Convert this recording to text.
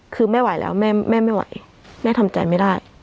คือไม่ไหวแล้วแม่ไม่ไหวแม่ทำใจไม่ได้